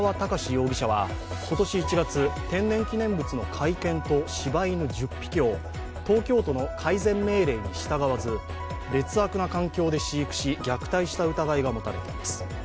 容疑者は今年１月天然記念物の甲斐犬としば犬１０匹を東京都の改善命令に従わず劣悪な環境で飼育し、虐待した疑いが持たれています。